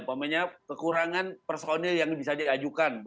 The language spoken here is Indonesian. kekurangan personil yang bisa diajukan